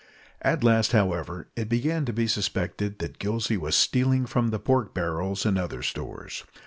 At last, however, it began to be suspected that Gillsey was stealing from the pork barrels and other stores.